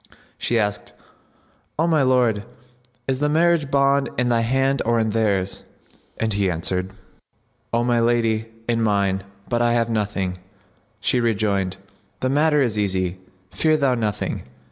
She asked, "O my lord, is the marriage bond in thy hand or in theirs?"; and he answered, "O my lady, in mine, but I have nothing." She rejoined, "The matter is easy; fear thou nothing.